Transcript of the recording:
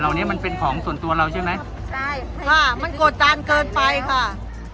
เนี้ยมันเป็นของส่วนตัวเราใช่ไหมใช่ค่ะมันโกรธจานเกินไปค่ะ